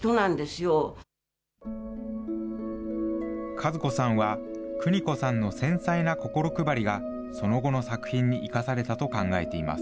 和子さんは、邦子さんの繊細な心配りが、その後の作品に生かされたと考えています。